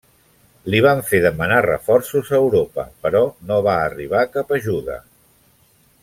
Li van fer demanar reforços a Europa, però no va arribar cap ajuda.